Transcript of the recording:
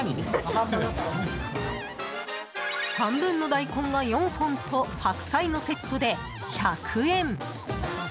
半分の大根が４本と白菜のセットで１００円。